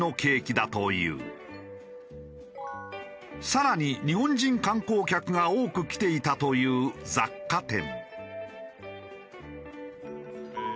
更に日本人観光客が多く来ていたという雑貨店。